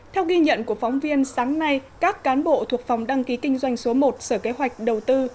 theo ghi nhận của phóng viên sáng nay các cán bộ thuộc phòng đăng ký kinh doanh số một sở kế hoạch đầu tư